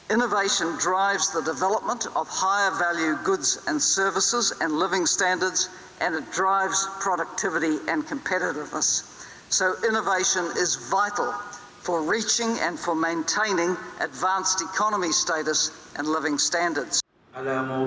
inovasi ini bergantung dari potensi masyarakat sebuah negara